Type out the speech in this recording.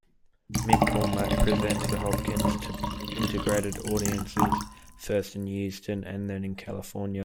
McCormack presented Hopkins to integrated audiences first in Houston and then in California.